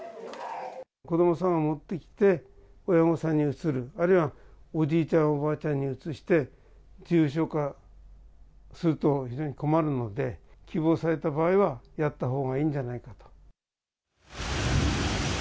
子どもさんが持ってきて、親御さんにうつる、あるいはおじいちゃん、おばあちゃんにうつして、重症化すると非常に困るので、希望された場合は、やったほうがいいんじゃないかと。